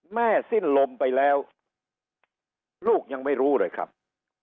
สิ้นลมไปแล้วลูกยังไม่รู้เลยครับ